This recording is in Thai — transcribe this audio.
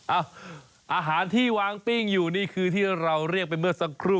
อาหารที่วางปิ้งอยู่นี่คือที่เราเรียกไปเมื่อสักครู่